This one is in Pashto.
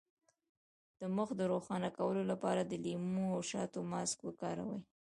د مخ د روښانه کولو لپاره د لیمو او شاتو ماسک وکاروئ